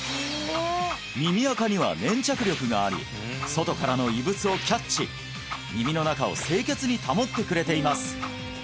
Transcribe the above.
耳アカには粘着力があり外からの異物をキャッチ耳の中を清潔に保ってくれています